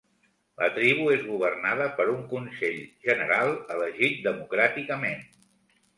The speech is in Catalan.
La tribu és governada per un consell general elegit democràticament.